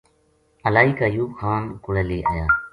الائی کا ایوب خان کولے لے آیا